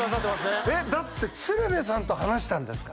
ねだって鶴瓶さんと話したんですか？